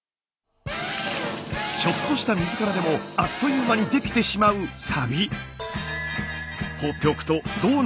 ちょっとした水からでもあっという間にできてしまうサビ。